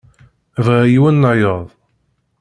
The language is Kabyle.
Bɣiɣ yiwen-nnayeḍ.